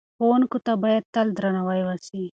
ښوونکو ته باید تل درناوی وسي.